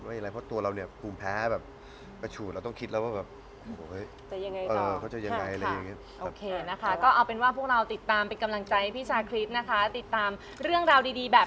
อะไรแบบเพราะตัวเราภูมิแพ้แบบ